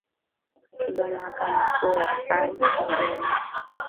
Katiba Mahakama Kuu ya Rufaa Halmashauri ya Nchi